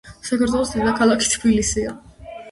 საქართველოს დედაქალაქი თბილისია